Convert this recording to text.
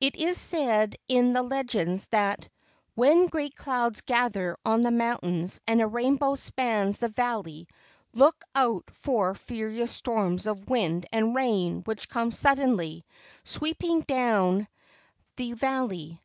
It is said in the legends that "when great clouds gather on the mountains and a rainbow spans the valley, look out for furious storms of wind and rain which come suddenly, sweeping down the LEGENDS OF GHOSTS 58 valley."